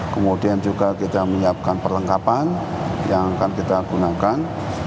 kemudian juga kita menyiapkan perlengkapan yang akan kita gunakan